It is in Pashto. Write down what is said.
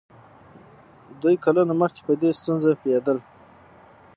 دوی کلونه مخکې په دې ستونزه پوهېدل.